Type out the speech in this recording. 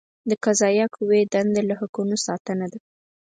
د قضائیه قوې دنده له حقوقو ساتنه ده.